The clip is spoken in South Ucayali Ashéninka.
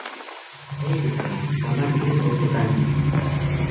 Eeroka, pamakiro pothotaantzi